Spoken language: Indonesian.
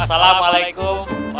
silakan makan buburinya